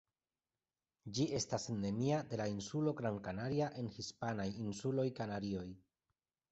Ĝi estas endemia de la insulo Gran Canaria en hispanaj insuloj Kanarioj.